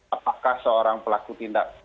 apakah seorang pelaku tindak